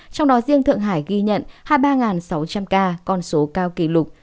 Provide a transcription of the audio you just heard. trong đó riêng thượng hải ghi nhận hai mươi ba sáu trăm linh ca con số cao kỷ lục